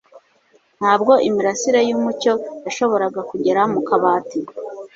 Ntabwo imirasire yumucyo yashoboraga kugera mukabati.